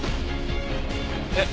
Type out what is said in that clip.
えっ？